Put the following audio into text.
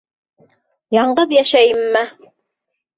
Яңғыҙ йәшәйемме?